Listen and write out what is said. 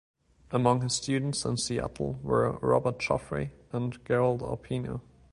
Among his students in Seattle were Robert Joffrey and Gerald Arpino.